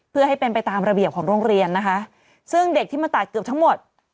เพื่อให้เป็นไปตามระเบียบของโรงเรียนนะคะซึ่งเด็กที่มาตัดเกือบทั้งหมด